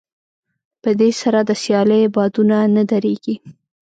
په دې سره د سيالۍ بادونه نه درېږي.